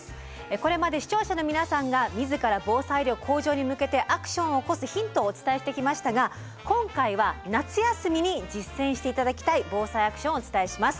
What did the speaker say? これまで視聴者の皆さんが自ら防災力向上に向けてアクションを起こすヒントをお伝えしてきましたが今回は夏休みに実践して頂きたい「ＢＯＳＡＩアクション」をお伝えします。